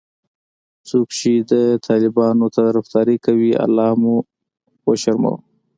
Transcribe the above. څوک چې د طالبانو طرفدارې کوي الله مو به شرمونو وشرموه😖